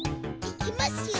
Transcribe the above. いきますよ。